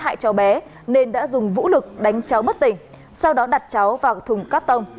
hại cháu bé nên đã dùng vũ lực đánh cháu bất tỉnh sau đó đặt cháu vào thùng cắt tông